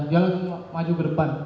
dia langsung maju ke depan